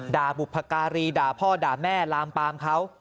บุพการีด่าพ่อด่าแม่ลามปามเขา